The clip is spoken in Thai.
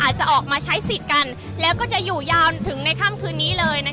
จะออกมาใช้สิทธิ์กันแล้วก็จะอยู่ยาวถึงในค่ำคืนนี้เลย